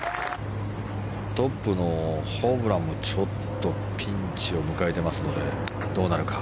トップのホブランも、ちょっとピンチを迎えていますのでどうなるか。